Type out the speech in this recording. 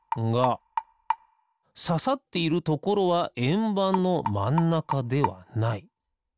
がささっているところはえんばんのまんなかではない。